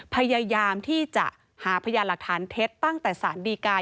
พยายามที่จะหาพยานหลักฐานเท็จตั้งแต่สารดีกา